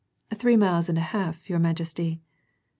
"Three miles and a half, your majesty."